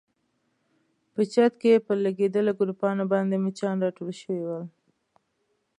په چت کې پر لګېدلو ګروپانو باندې مچان راټول شوي ول.